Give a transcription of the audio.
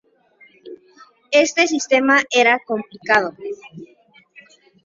Este sistema era complicado.